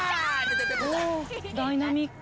ほぉダイナミック。